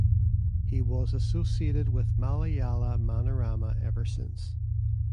He was associated with Malayala Manorama ever since.